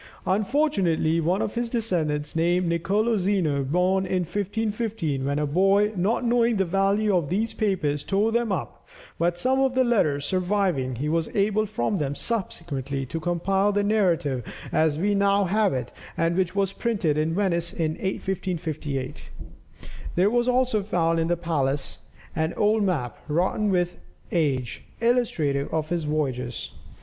Unfortunately one of his descendants named Nicolo Zeno, born in 1515, when a boy, not knowing the value of these papers, tore them up, "but some of the letters surviving, he was able from them subsequently to compile the narrative as we now have it, and which was printed in Venice in 1558. There was also found in the palace an old map, rotten with age, illustrative of his voyages.